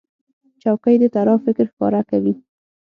چوکۍ د طراح فکر ښکاره کوي.